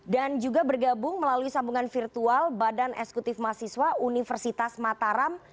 dan juga bergabung melalui sambungan virtual badan esekutif mahasiswa universitas mataram